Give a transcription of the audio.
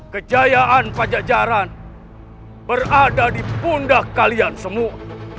kejayaan pajajaran berada di pundak kalian semua